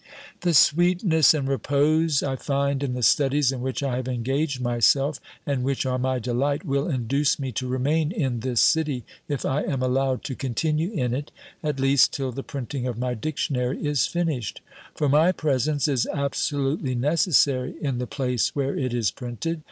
"The sweetness and repose I find in the studies in which I have engaged myself, and which are my delight, will induce me to remain in this city, if I am allowed to continue in it, at least till the printing of my Dictionary is finished; for my presence is absolutely necessary in the place where it is printed.